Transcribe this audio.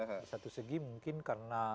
di satu segi mungkin karena